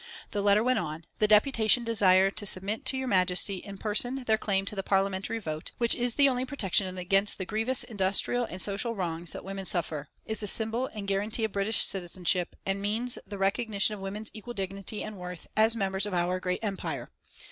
The letter went on: "The deputation desire to submit to Your Majesty in person their claim to the Parliamentary vote, which is the only protection against the grievous industrial and social wrongs that women suffer; is the symbol and guarantee of British citizenship; and means the recognition of women's equal dignity and worth, as members of our great Empire.